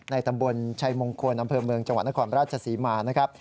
ในตำบลชายมงควรนำเภอเมืองจังหวัดนครราชสีมา